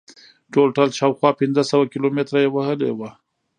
ټولټال شاوخوا پنځه سوه کیلومتره یې وهلې وه.